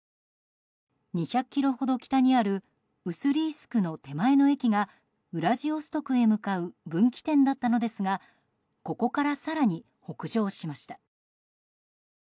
２００ｋｍほど北にあるウスリースクの手前の駅がウラジオストクへ向かう分岐点だったのですがここから更に北上しました。